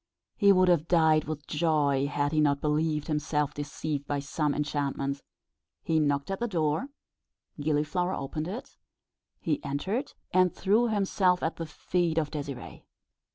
He would have died with joy, had he not believed himself deceived by some enchantment. He knocked at the door, Gilliflower opened it; he entered, and threw himself at the feet of Désirée.